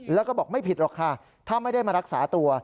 แล้วก็บอกไม่ผิดหรอกค่ะถ้าไม่ได้มารักษาตัว